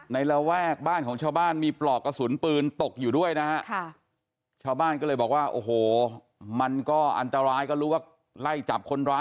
ในระแวกบ้านของชาวบ้านมีปลอกกระสุนปืนตกอยู่ด้วยนะฮะ